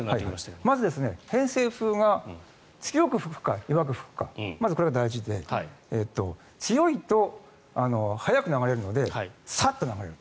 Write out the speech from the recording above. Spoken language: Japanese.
まず偏西風が強く吹くか、弱く吹くかまずこれが大事で強いと早く流れるのでサッと流れる。